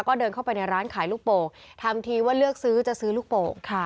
ก็เดินเข้าไปในร้านขายลูกโป่งทำทีว่าเลือกซื้อจะซื้อลูกโป่ง